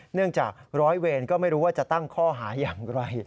เนื่องจากร้อยเวรก็ไม่รู้ว่าจะตั้งข้อหาอย่างไร